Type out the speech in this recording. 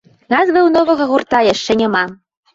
Назвы ў новага гурта яшчэ няма.